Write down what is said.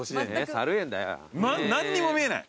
何にも見えない。